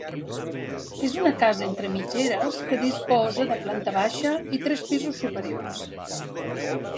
És una casa entre mitgeres que disposa de planta baixa i tres pisos superiors.